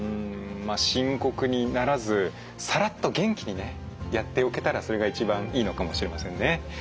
深刻にならずさらっと元気にやっておけたらそれが一番いいのかもしれませんね。